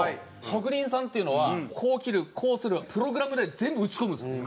職人さんっていうのはこう切るこうするをプログラムで全部打ち込むんですよね。